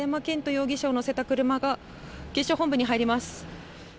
容疑者を乗せた車が警視庁本部に入ります。